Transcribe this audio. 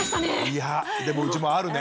いやでもうちもあるね。